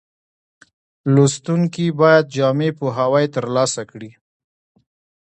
لوستونکي باید جامع پوهاوی ترلاسه کړي.